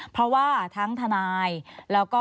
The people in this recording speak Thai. เพราะว่าทั้งทนายแล้วก็